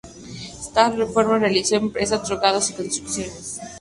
Esta reforma la realizó la empresa Dragados y Construcciones.